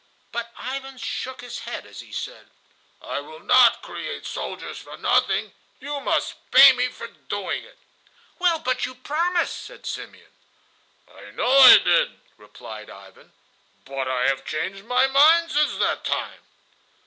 But Ivan shook his head as he said: "I will not create soldiers for nothing; you must pay me for doing it." "Well, but you promised," said Simeon. "I know I did," replied Ivan; "but I have changed my mind since that time."